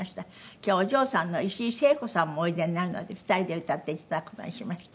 今日お嬢さんの石井聖子さんもおいでになるので２人で歌って頂く事にしました。